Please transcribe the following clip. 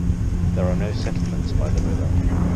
There are no settlements by the river.